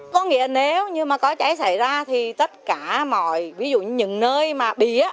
có nghĩa là nếu có cháy xảy ra thì tất cả mọi ví dụ như những nơi mà bì